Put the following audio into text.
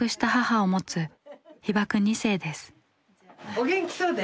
お元気そうで。